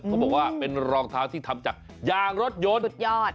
เขาบอกว่าเป็นรองเท้าที่ทำโรงที่ทำจากยารถยนต์